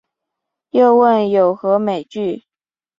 又问有何美句？